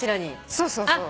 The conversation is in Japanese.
そうそうそう。